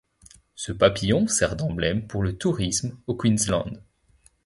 Ce papillon sert d'emblème pour le tourisme au Queensland.